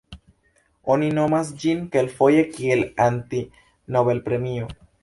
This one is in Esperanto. Oni nomas ĝin kelkfoje kiel "Anti-Nobelpremio".